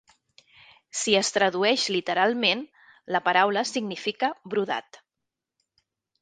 Si es tradueix literalment, la paraula significa "brodat".